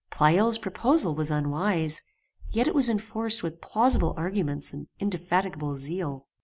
Pleyel's proposal was unwise, yet it was enforced with plausible arguments and indefatigable zeal.